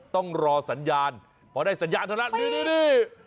ต้องรอสัญญาณเพราะได้สัญญาณเท่านั้นดูดิดิดิ